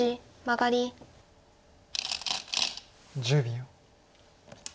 １０秒。